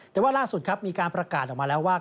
แต่ว่าล่าสุดครับมีการประกาศออกมาแล้วว่า